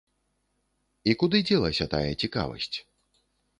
І куды дзелася тая цікавасць?!